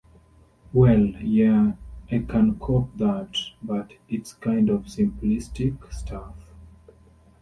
Well, yeah, I can cop that, but it's kind of simplistic stuff.